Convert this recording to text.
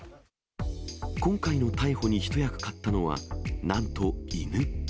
今回の逮捕に一役買ったのは、なんと犬。